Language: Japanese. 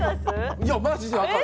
いやマジで分かる。